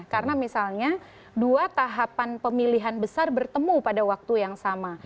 karena misalnya dua tahapan pemilihan besar bertemu pada waktu yang sama